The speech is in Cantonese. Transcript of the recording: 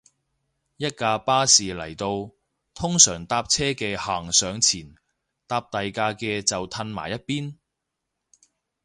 一架巴士嚟到，通常搭車嘅行上前，搭第架嘅就褪埋一邊